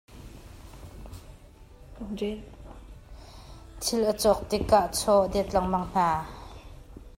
Thil a cawk tikah chaw a deet lengmang hna.